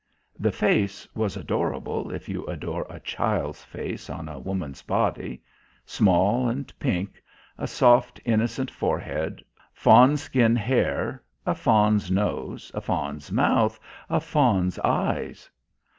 The face was adorable if you adore a child's face on a woman's body. Small and pink; a soft, innocent forehead; fawn skin hair, a fawn's nose, a fawn's mouth, a fawn's eyes.